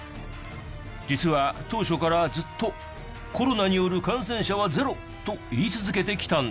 実は当初からずっとコロナによる感染者はゼロと言い続けてきたんです。